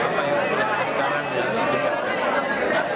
apa yang ada sekarang harus diingatkan